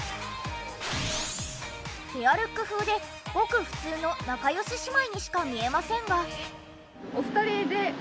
ペアルック風でごく普通の仲良し姉妹にしか見えませんが。